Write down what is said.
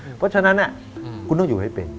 เพราะฉะนั้นคุณต้องอยู่ให้เป็น